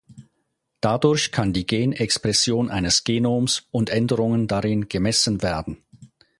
Dadurch kann die Genexpression eines Genoms und Änderungen darin gemessen werden.